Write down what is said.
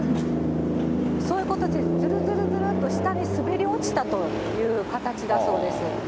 そういう形、ずるずるずるっと下に滑り落ちたという形だそうです。